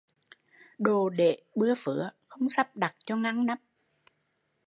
Đồ để bưa phứa, không sắp đặt cho ngăn nắp